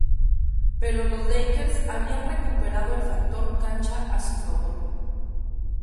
Pero los Lakers habían recuperado el factor cancha a su favor.